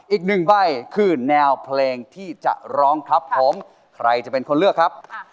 อีกหนึ่งใบคือแนวเพลงที่จะร้องครับผมใครจะเป็นคนเลือกครับ